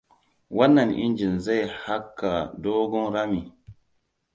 Wannan Injin zai haƙa dogon rami.